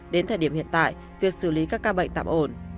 đến thời điểm hiện tại việc xử lý các ca bệnh tạm ổn